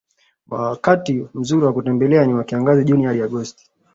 Wakati mzuri wa kutembelea ni wa Kiangazi June hadi Agosti